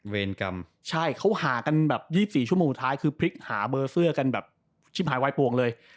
เวรกรรมใช่เขาหากันแบบ๒๔ชั่วโมงสุดท้ายคือพลิกหาเบอร์เสื้อกันแบบชิบหายวายปวงเลย